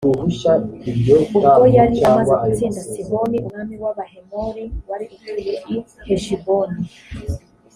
ubwo yari amaze gutsinda sihoni umwami w’abahemori wari utuye i heshiboni